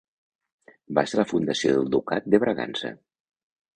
Va ser la fundació del Ducat de Bragança.